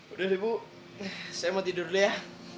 udah deh bu saya mau tidur dulu ya